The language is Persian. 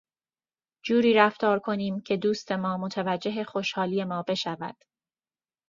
جوری رفتار کنیم که دوست ما متوجه خوشحالی ما بشود